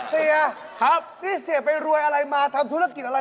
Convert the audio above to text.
เสียครับนี่เสียไปรวยอะไรมาทำธุรกิจอะไร